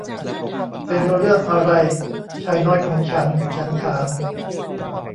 'เป็นเรื่องอะไรชายน้อยของฉัน' ฉันถาม